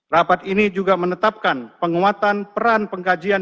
rapat ini juga menetapkan penguatan peran pengkajian